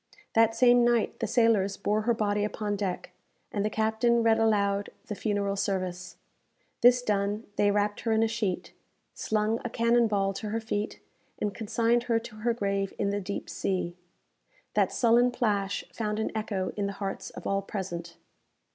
That same night the sailors bore her body upon deck, and the captain read aloud the funeral service. This done, they wrapt her in a sheet, slung a cannon ball to her feet, and consigned her to her grave in the deep sea. That sullen plash found an echo in the hearts of all present.